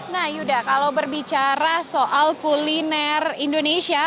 nah yuda kalau berbicara soal kuliner indonesia